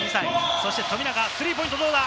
そして富永、スリーポイント、どうだ？